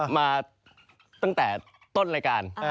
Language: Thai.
มาตั้งแต่ต้นรายการ